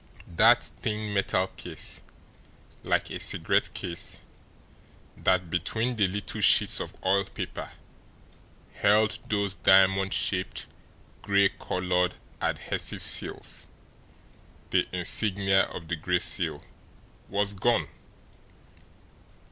That thin metal case, like a cigarette case, that, between the little sheets of oil paper, held those diamond shaped, gray coloured, adhesive seals, the insignia of the Gray Seal was gone!